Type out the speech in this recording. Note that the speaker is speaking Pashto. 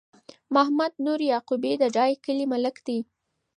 محمد نور یعقوبی د ډایی کلی ملک دی